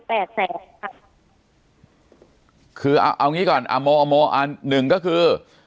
แปดแสนค่ะคือเอาเอางี้ก่อนอ่าโมเอาโมอันหนึ่งก็คือ